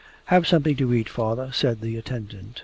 'Have something to eat, Father,' said the attendant.